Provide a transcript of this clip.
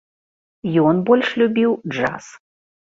Ён больш любіў джаз.